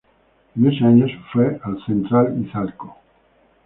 En ese año se fue al Central Izalco.